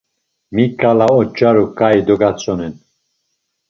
Mi ǩala oç̌aru ǩai dogatzonen?